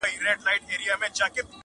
o په ډېرو ئې لېوني خوشاله کېږي!